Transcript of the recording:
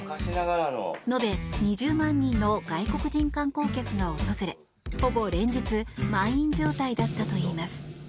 延べ２０万人の外国人観光客が訪れほぼ連日満員状態だったといいます。